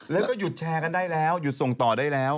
แล้วก็หยุดแชร์กันได้แล้วหยุดส่งต่อได้แล้ว